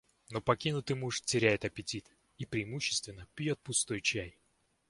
Но покинутый муж теряет аппетит и преимущественно пьёт пустой чай.